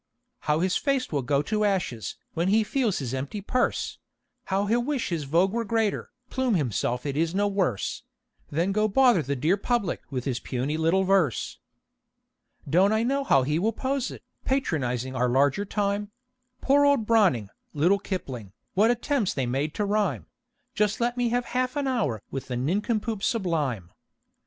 How his face will go to ashes, when he feels his empty purse! How he'll wish his vogue were greater; plume himself it is no worse; Then go bother the dear public with his puny little verse! Don't I know how he will pose it; patronize our larger time; "Poor old Browning; little Kipling; what attempts they made to rhyme!" Just let me have half an hour with the nincompoop sublime!